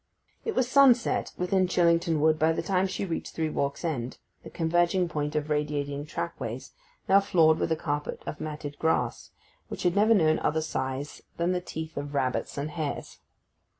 It was sunset within Chillington Wood by the time she reached Three Walks End—the converging point of radiating trackways, now floored with a carpet of matted grass, which had never known other scythes than the teeth of rabbits and hares.